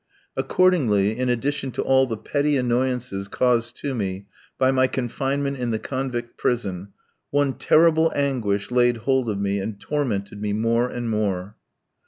Accordingly, in addition to all the petty annoyances caused to me by my confinement in the convict prison, one terrible anguish laid hold of me and tormented me more and more.